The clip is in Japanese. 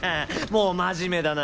もう真面目だな」